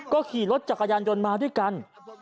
ก็ขี่รถจักรยานยนต์มาด้วยกัน